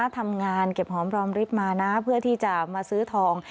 ทำงานเก็บหอมรอมริบมานะเพื่อที่จะมาซื้อทอง